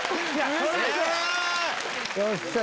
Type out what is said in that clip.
え⁉よっしゃ！